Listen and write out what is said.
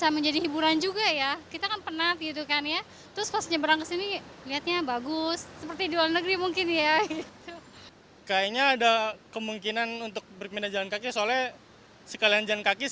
mengusung konsep modern jpo pinisi slash jps